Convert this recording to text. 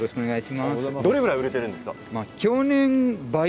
どれくらい売れているんですか？